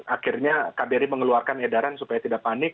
akhirnya kbri mengeluarkan edaran supaya tidak panik